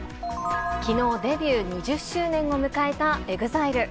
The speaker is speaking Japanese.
きのうデビュー２０周年を迎えたＥＸＩＬＥ。